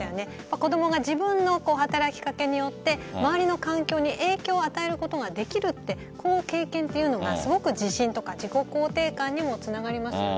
子供が自分の働きかけによって周りの環境に影響を与えることができるってこの経験というのがすごく自信自己肯定感にもつながりますよね。